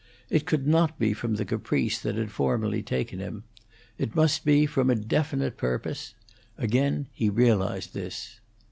It could not be from the caprice that had formerly taken him; it must be from a definite purpose; again he realized this.